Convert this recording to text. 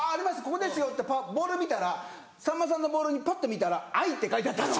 ここですよ」ってボール見たらさんまさんのボールぱって見たら「愛」って書いてあったの。